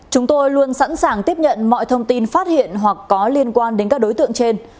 chúng tôi luôn sẵn sàng tiếp nhận mọi thông tin phát hiện hoặc có liên quan đến các đối tượng trên